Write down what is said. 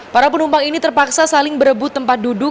para penumpang ini terpaksa saling berebut tempat duduk